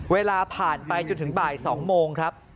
เวลาผ่านไปจนถึงบ่าย๒โมงครับ